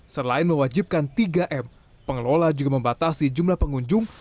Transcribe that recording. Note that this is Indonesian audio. selain mewajibkan tiga m pengelola juga membatasi jumlah pengunjung